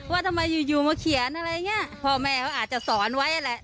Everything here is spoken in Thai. ว่าทำไมยังมาเขียนอะไรเงี้ยพ่อแม่ก็อาจจะสอนไว้แหละ